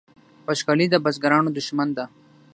وچکالي د بزګرانو دښمن ده